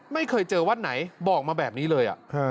ไม่เคยเจอวัดไหนบอกมาแบบนี้เลย